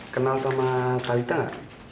kenal sama talitha gak